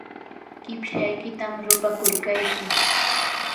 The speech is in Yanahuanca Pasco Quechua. qipshaykitam rupakurqayki.